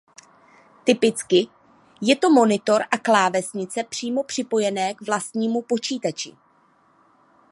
Typicky je to monitor a klávesnice přímo připojené k vlastnímu počítači.